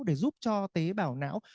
để giúp cho tế bào não